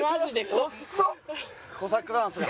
コサックダンスがね。